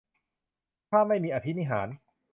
ถ้าไม่มีอภินิหาร